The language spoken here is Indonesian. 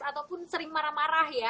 ataupun sering marah marah ya